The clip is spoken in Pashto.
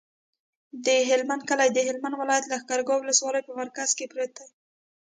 د هلمند کلی د هلمند ولایت، لښکرګاه ولسوالي په مرکز کې پروت دی.